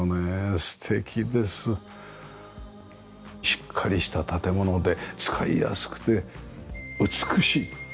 しっかりした建物で使いやすくて美しい。